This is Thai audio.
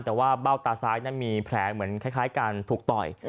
แต่ว่าเบ้าตาซ้ายนั้นมีแผลเหมือนคล้ายการถูกต่อย